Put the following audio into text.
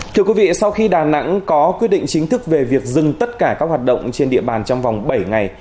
thưa quý vị sau khi đà nẵng có quyết định chính thức về việc dừng tất cả các hoạt động trên địa bàn trong vòng bảy ngày